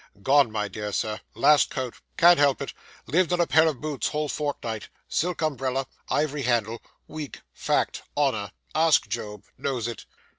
'Gone, my dear sir last coat can't help it. Lived on a pair of boots, whole fortnight. Silk umbrella ivory handle week fact honour ask Job knows it.